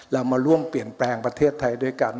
เรามาร่วมเปลี่ยนแปลงประเทศไทยด้วยกัน